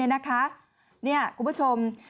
นี่คุณผู้ชม